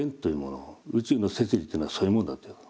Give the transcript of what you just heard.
宇宙の摂理というのはそういうものだと。